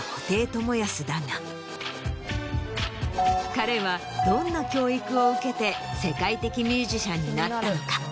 彼はどんな教育を受けて世界的ミュージシャンになったのか。